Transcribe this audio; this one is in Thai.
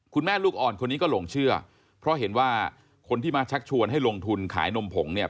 ลูกอ่อนคนนี้ก็หลงเชื่อเพราะเห็นว่าคนที่มาชักชวนให้ลงทุนขายนมผงเนี่ย